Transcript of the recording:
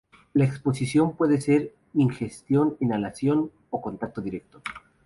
La exposición puede ser por ingestión, inhalación o contacto directo.